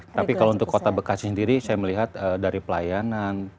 tapi kalau untuk kota bekasi sendiri saya melihat dari pelayanan